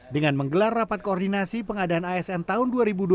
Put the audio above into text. dengan menggelar rapat koordinasi pengadaan asn tahun dua ribu dua puluh